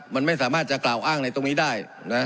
มันไม่สามารถจะกล่าวอ้างในตรงนี้ได้นะ